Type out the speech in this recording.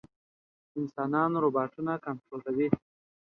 انسانان روباټونه کنټرولوي.